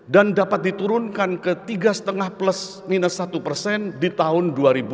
dan dapat diturunkan ke tiga lima plus minus satu persen di tahun dua ribu sembilan belas